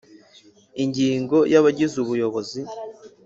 Ingingo ya Abagize Ubuyobozi